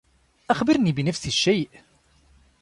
أخبرني بنفس الشّيء.